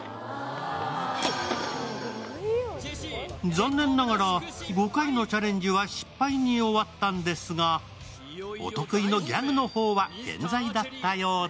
残念ながら５回のチャレンジは失敗に終わったんですがお得意のギャグのほうは健在だったようで